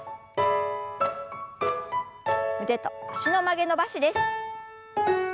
腕と脚の曲げ伸ばしです。